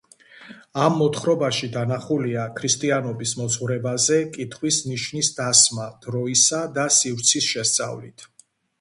ამ მოთხრობაში დანახულია ქრისტიანობის მოძღვრებაზე კითხვის ნიშნის დასმა დროისა და სივრცის შესწავლით.